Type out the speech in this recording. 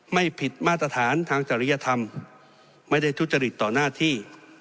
ไม่ผิดมาตรฐานทางจริยธรรมไม่ได้ทุจริตต่อหน้าที่